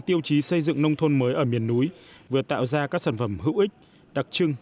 tiêu chí xây dựng nông thôn mới ở miền núi vừa tạo ra các sản phẩm hữu ích đặc trưng